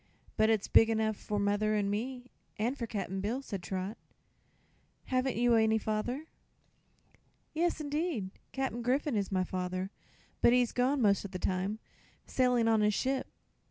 "But it's big enough for mother and me, an' for Cap'n Bill," said Trot. "Haven't you any father?" "Yes, 'ndeed; Cap'n Griffith is my father; but he's gone, most of the time, sailin' on his ship.